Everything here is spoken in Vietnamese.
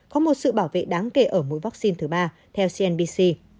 có một sự bảo vệ đáng kể ở mỗi vaccine thứ ba theo cnbc